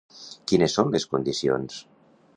Quines són les condicions?